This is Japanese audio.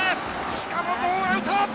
しかもノーアウト。